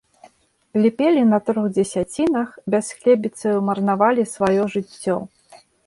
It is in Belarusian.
Ліпелі на трох дзесяцінах, бясхлебіцаю марнавалі сваё жыццё.